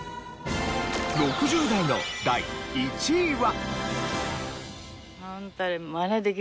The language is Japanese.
６０代の第１位は。